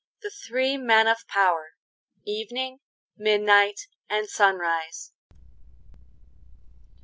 THE THREE MEN OF POWER EVENING, MIDNIGHT, AND SUNRISE.